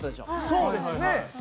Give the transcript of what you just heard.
そうですね。